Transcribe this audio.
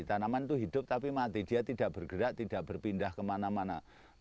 tanaman itu hidup tapi mati dia tidak bergerak tidak berpindah kemana mana